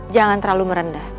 jangan terlalu merendah